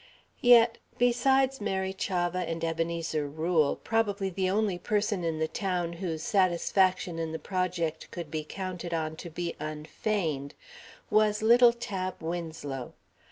Yet, besides Mary Chavah and Ebenezer Rule, probably the only person in the town whose satisfaction in the project could be counted on to be unfeigned was little Tab Winslow.